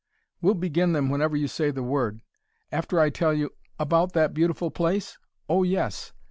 "We'll begin them whenever you say the word. After I tell you " "About that beautiful place? Oh, yes!